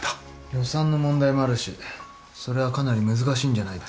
予算の問題もあるしそれはかなり難しいんじゃないですか。